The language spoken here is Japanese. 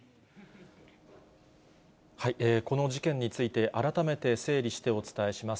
この事件について、改めて整理してお伝えします。